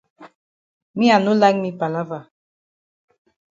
Me I no like me palava.